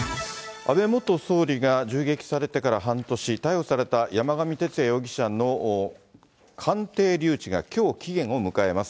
安倍元総理が銃撃されてから半年、逮捕された山上徹也容疑者の鑑定留置がきょう期限を迎えます。